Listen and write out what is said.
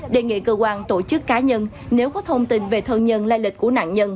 đề nghị cơ quan tổ chức cá nhân nếu có thông tin về thân nhân lai lịch của nạn nhân